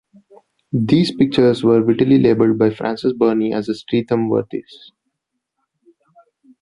These pictures were wittily labelled by Frances Burney as the Streatham Worthies.